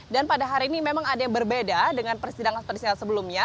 dan pada hari ini memang ada yang berbeda dengan persidangan persidangan sebelumnya